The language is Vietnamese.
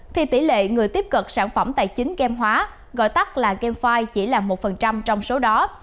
thì tỷ lệ người tiếp cận sản phẩm tài chính game hóa gọi tắt là game chỉ là một trong số đó